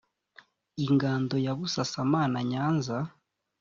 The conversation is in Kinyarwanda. ingando ya busasamana nyanza